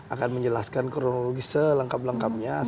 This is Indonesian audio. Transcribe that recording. akan menjelaskan kronologi selengkap lengkapnya